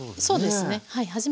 そうですねはい。